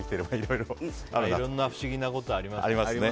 いろんな不思議なことがありますね。